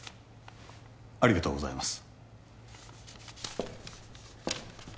ありがとうございます